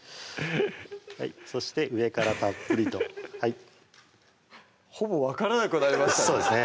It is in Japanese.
そして上からたっぷりとはいほぼ分からなくなりましたね